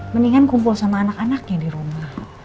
mendingan kumpul sama anak anaknya di rumah